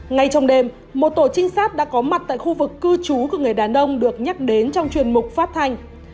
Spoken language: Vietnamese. ngay trong đêm một tổ trinh sát đã có mặt tại khu vực cư trú của người đàn ông được nhắc đến trong chuyên mục phát thanh